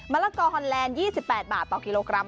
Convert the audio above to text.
ละกอฮอนแลนด์๒๘บาทต่อกิโลกรัม